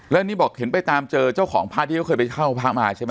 แล้วนี่บอกเห็นไปตามเจอเจ้าของพระที่เขาเคยไปเข้าพระมาใช่ไหม